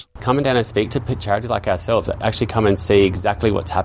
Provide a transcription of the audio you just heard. itu adalah suatu perbicaraan yang sangat menakutkan